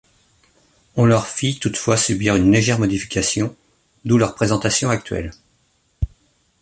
On leur fit toutefois subir une légère modification, d’où leur présentation actuelle.